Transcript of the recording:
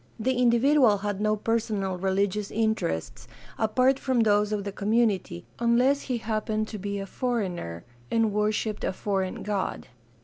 The individual had no personal religious interests apart from those of the community, unless he happened to be a foreigner and worshiped a foreign god.